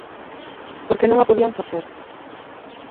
Porque non a podían facer.